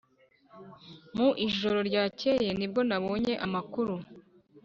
mu ijoro ryakeye nibwo nabonye amakuru.